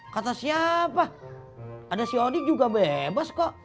kata siapa ada siodie juga bebas kok